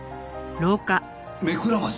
目くらまし？